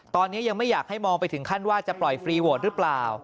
ตอนนี้ยังไม่อยากให้มองไปถึงขั้นว่าจะปล่อยฟรีโหวตหรือเปล่า